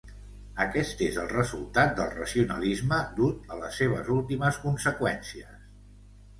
Aquest és el resultat del racionalisme dut a les seves últimes conseqüències.